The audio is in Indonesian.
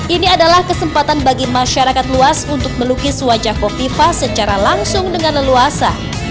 ini adalah kesempatan bagi masyarakat luas untuk melukis wajah kofifa secara langsung dengan leluasa